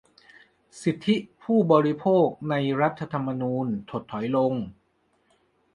สิทธิผู้บริโภค ใน รัฐธรรมนูญ ถดถอยลง